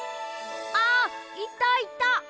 あっいたいた！